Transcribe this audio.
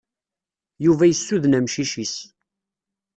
Yuba yessuden amcic-is.